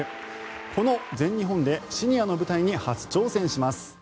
この全日本でシニアの舞台に初挑戦します。